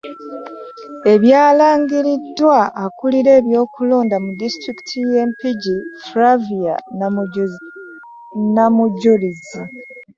Ebyalangiriddwa akulira eby'okulonda mu disitulikiti ye Mpigi, Flavia Namujulizi